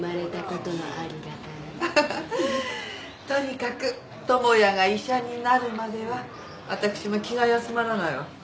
とにかく智也が医者になるまでは私も気が休まらないわ。